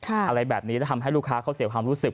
อะไรแบบนี้แล้วทำให้ลูกค้าเขาเสียความรู้สึก